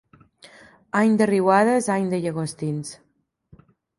Any de riuades, any de llagostins.